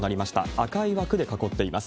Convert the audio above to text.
赤い枠で囲っています。